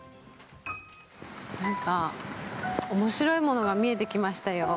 何か、おもしろいものが見えてきましたよ。